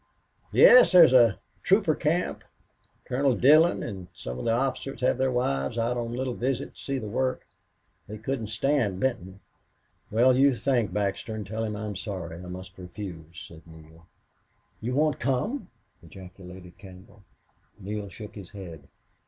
"Yes. There's a trooper camp. Colonel Dillon an' some of the officers have their wives out on a little visit to see the work. They couldn't stand Benton." "Well you thank Baxter and tell him I'm sorry I must refuse," said Neale. "You won't come!" ejaculated Campbell. Neale shook his head.